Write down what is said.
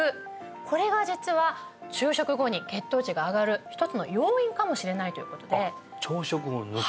これが実は昼食後に血糖値が上がる一つの要因かもしれないということで朝食を抜く？